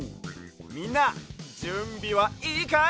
みんなじゅんびはいいかい？